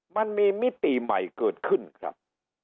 มิติใหม่เกิดขึ้นครับ